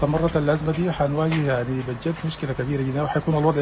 pertempuran yang nyaris tanpa henti